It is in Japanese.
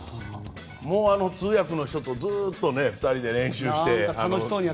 通訳の人とずっと２人で練習して。